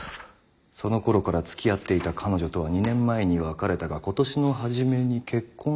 そのころからつきあっていた彼女とは２年前に別れたが今年の初めに結婚式に招待され出席した」。